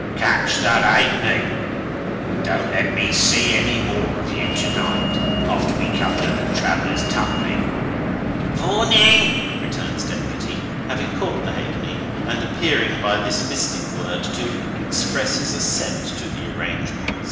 "Catch that ha'penny. And don't let me see any more of you to night, after we come to the Travellers' Twopenny." "Warning!" returns Deputy, having caught the halfpenny, and appearing by this mystic word to express his assent to the arrangement.